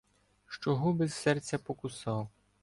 Що губи з серця покусав.